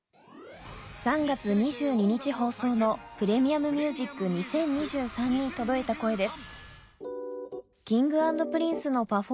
３月２２日放送の『ＰｒｅｍｉｕｍＭｕｓｉｃ２０２３』に届いた声です